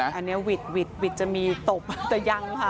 อันนี้หวิดจะมีตบแต่ยังค่ะ